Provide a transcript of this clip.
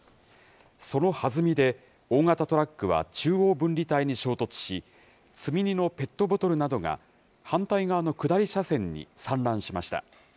そのはずみで、大型トラックは中央分離帯に衝突し、積み荷のペットボトルなどが、反対側の下り車線に散乱しました。